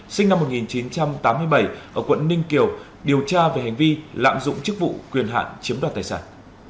sinh năm một nghìn chín trăm tám mươi bảy ở quận ninh kiều điều tra về hành vi lạm dụng chức vụ quyền hạn chiếm đoạt tài sản